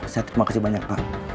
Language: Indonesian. saya terima kasih banyak pak